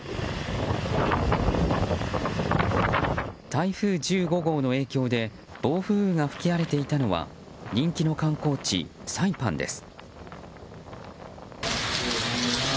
台風１５号の影響で暴風が吹き荒れていたのは人気の観光地、サイパンです。